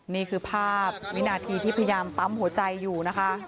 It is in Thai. นี่คือภาพวินาทีที่พยายามปั๊มหัวใจอยู่นะคะ